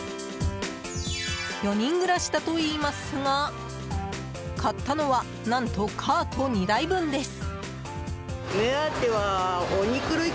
４人暮らしだといいますが買ったのは何と、カート２台分です。